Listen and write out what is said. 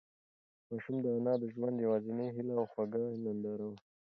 ماشوم د انا د ژوند یوازینۍ هيله او خوږه ننداره وه.